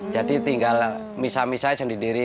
jadi tinggal misal misalnya sendiri sendiri